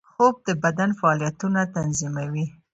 خوب د بدن فعالیتونه تنظیموي